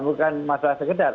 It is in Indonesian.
maksudnya mencari satu manfaat